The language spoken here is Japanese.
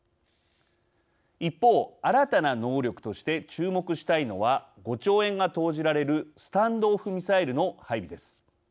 一方新たな能力として注目したいのは５兆円が投じられるスタンド・オフ・ミサイルの配備です。